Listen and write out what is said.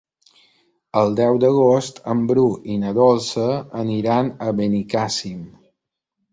El deu d'agost en Bru i na Dolça aniran a Benicàssim.